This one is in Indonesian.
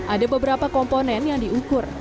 ada beberapa komponen yang diukur